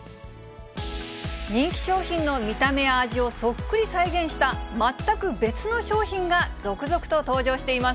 人気商品の見た目や味をそっくり再現した、全く別の商品が、続々と登場しています。